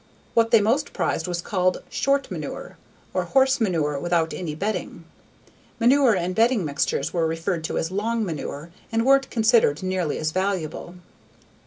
What they most prized was called "short manure," or horse manure without any bedding. Manure and bedding mixtures were referred to as "long manure" and weren't considered nearly as valuable.